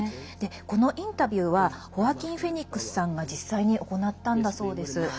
このインタビューはホアキン・フェニックスさんが実際に行ったんだそうです。